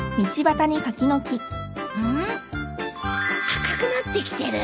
赤くなってきてる。